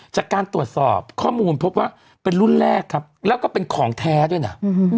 จากการตรวจสอบข้อมูลพบว่าเป็นรุ่นแรกครับแล้วก็เป็นของแท้ด้วยนะ